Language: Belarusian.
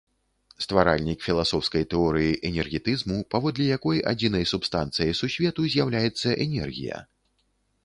Стваральнік філасофскай тэорыі энергетызму, паводле якой адзінай субстанцыяй сусвету з'яўляецца энергія.